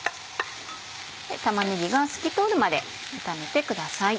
玉ねぎが透き通るまで炒めてください。